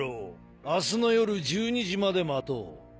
明日の夜１２時まで待とう。